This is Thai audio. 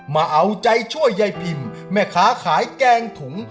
มาเอาใจช่วยยายพิมแม่ค้าขายแกงถุง